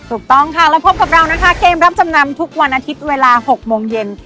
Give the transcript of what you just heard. ถูกต้องค่ะเราพบกับเรานะคะเกมรับจำนำทุกวันอาทิตย์เวลา๖โมงเย็น